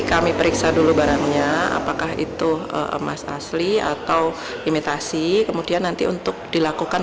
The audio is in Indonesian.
kami periksa dulu barangnya apakah itu emas asli atau imitasi kemudian nanti untuk dilakukan